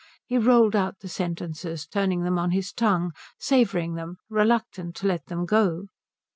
He rolled out the sentences, turning them on his tongue, savouring them, reluctant to let them go.